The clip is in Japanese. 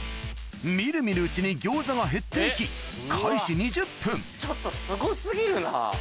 見る見るうちに餃子が減っていきちょっとすご過ぎるな。